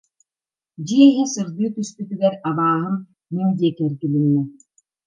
Дьиэ иһэ сырдыы түспүтүгэр, «абааһым» мин диэки эргилиннэ